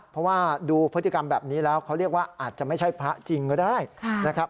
เพราะว่าดูพฤติกรรมแบบนี้แล้วเขาเรียกว่าอาจจะไม่ใช่พระจริงก็ได้นะครับ